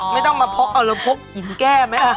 ไม่ต้องมาพกเอาแล้วพกหินแก้ไหม